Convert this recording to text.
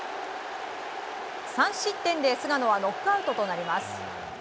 ３失点で菅野はノックアウトとなります。